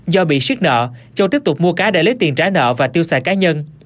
do bị siết nợ châu tiếp tục mua cá để lấy tiền trả nợ và tiêu xài cá nhân